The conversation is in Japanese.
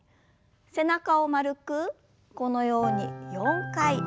背中を丸くこのように４回ゆすります。